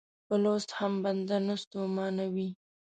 په لوست هم بنده نه ستومانوي.